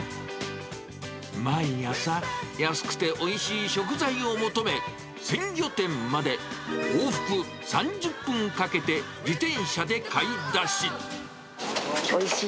毎朝、安くておいしい食材を求め、鮮魚店まで往復３０分かけて、自転車で買い出し。